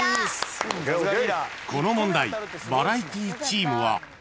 ［この問題バラエティチームは］